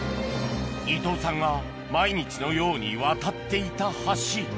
伊藤さんが毎日のように渡っていた橋